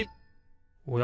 おや？